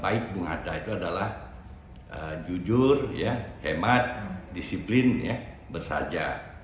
baik bung hatta itu adalah jujur hemat disiplin bersaja